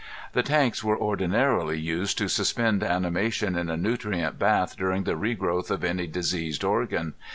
The tanks were ordinarily used to suspend animation in a nutrient bath during the regrowth of any diseased organ.